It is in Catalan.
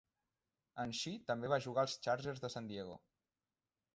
En Shea també va jugar als Chargers de San Diego.